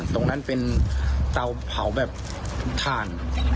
ตรงนั้นเป็นเตาเผาแบบถ่าน